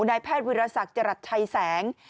นายแพทย์วิราศักดิ์จรัสไทยแสง